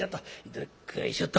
どっこいしょと。